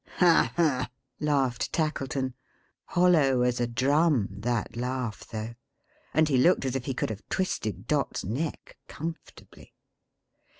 "Ha ha!" laughed Tackleton. Hollow as a drum, that laugh though. And he looked as if he could have twisted Dot's neck: comfortably.